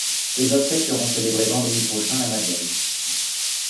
Ses obsèques seront célébrées vendredi prochain à la Madeleine.